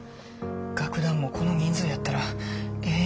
楽団もこの人数やったらええ